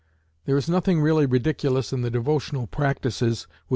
There is nothing really ridiculous in the devotional practices which M.